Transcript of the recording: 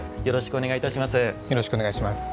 よろしくお願いします。